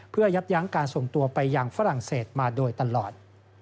เพื่อยับยั้งการส่งตัวไปยังฝรั่งเศสมาโดยตลอด